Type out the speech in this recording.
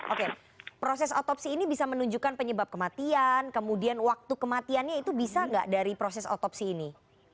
oke proses otopsi ini bisa menunjukkan penyebab kematian kemudian waktu kematiannya itu bisa nggak dari proses otopsi ini